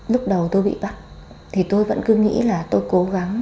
lúc đầu tôi bị bắt thì tôi vẫn cứ nghĩ là tôi cố gắng